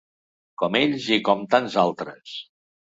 Com ells i com tants altres.